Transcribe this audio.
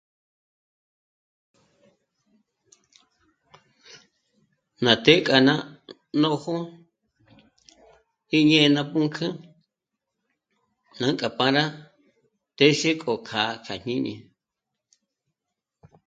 Ná të́'ë k'a ná nójo jêñe ná pǔnk'ü nájkja pjára téxe kjo kjâ'a kja jñíni